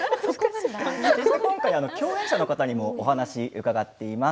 共演者の方にもお話を伺っています。